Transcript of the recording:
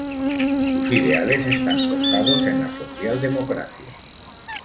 Sus ideales están forjados en la socialdemocracia.